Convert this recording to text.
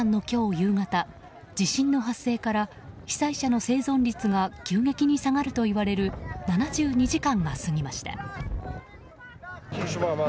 夕方地震の発生から被災者の生存率が急激に下がるといわれる７２時間が過ぎました。